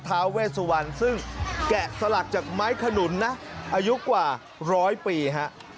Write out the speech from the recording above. ท้าเวสวันซึ่งแกะสลักจากไม้ขนุนนะอายุกว่าร้อยปีฮะ